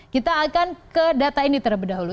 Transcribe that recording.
kita akan ke data ini terlebih dahulu